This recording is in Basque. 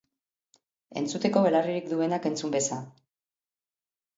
Entzuteko belarririk duenak entzun beza.